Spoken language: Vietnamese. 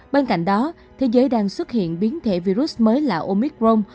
bên cạnh đó thế giới đang xuất hiện biến thể virus mới là omicron